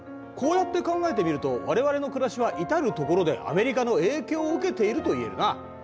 こうやって考えてみると我々の暮らしは至る所でアメリカの影響を受けているといえるな。